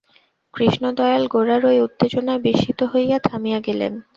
কৃষ্ণদয়াল গোরার এই উত্তেজনায় বিস্মিত হইয়া থামিয়া গেলেন।